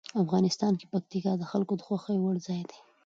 افغانستان کې پکتیکا د خلکو د خوښې وړ ځای دی.